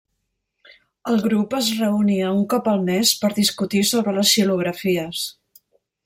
El grup es reunia un cop al mes per discutir sobre les xilografies.